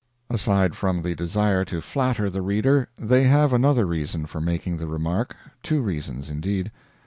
Aside from the desire to flatter the reader, they have another reason for making the remark two reasons, indeed.